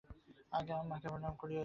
আগে মাকে প্রণাম করিবে চলো।